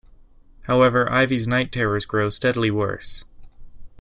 However, Ivy's night terrors grow steadily worse.